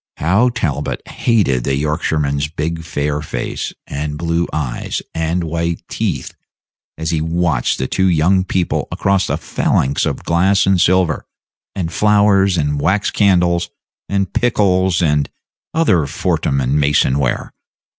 How Talbot hated the Yorkshireman's big fair face, and blue eyes, and white teeth, as he watched the two young people across a phalanx of glass and silver, and flowers and wax candles, and pickles, and other Fortnum and Mason ware!